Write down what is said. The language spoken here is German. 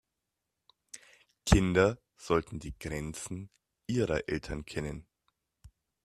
Kinder sollten die Grenzen ihrer Eltern kennen.